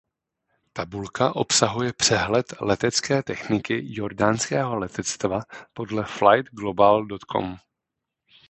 Tabulka obsahuje přehled letecké techniky jordánského letectva podle Flightglobal.com.